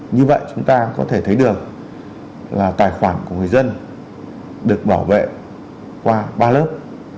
như vậy chúng ta có thể thấy được là tài khoản của người dân được bảo vệ qua ba lớp